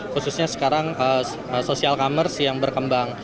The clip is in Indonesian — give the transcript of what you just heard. khususnya sekarang social commerce yang berkembang